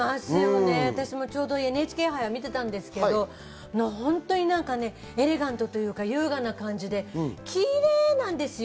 ちょうどＮＨＫ杯を見てたんですけど、ほんとにエレガントというか、優雅な感じてキレイなんですよ。